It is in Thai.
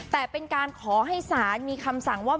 แต่เป็นการขอให้ศาลมีคำสั่งว่า